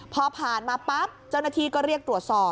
พอผ่านมาปั๊บเจ้าหน้าที่ก็เรียกตรวจสอบ